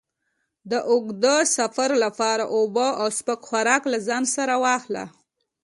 د اوږد سفر لپاره اوبه او سپک خوراک له ځان سره واخله.